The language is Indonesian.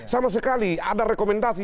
sama sekali ada rekomendasi